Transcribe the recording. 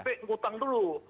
itu jangan sampai utang dulu